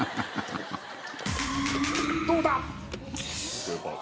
どうだ